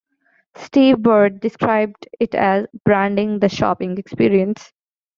Steve Burd described it as "branding the shopping experience".